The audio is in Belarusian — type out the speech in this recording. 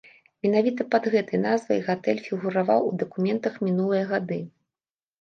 Менавіта пад гэтай назвай гатэль фігураваў у дакументах мінулыя гады.